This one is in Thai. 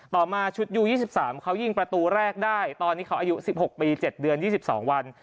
ต่อมาชุดยูสิบสามเขายิงประตูแรกได้ตอนนี้เขาอายุสิบหกปีเจ็ดเดือนยี่สิบสองวัน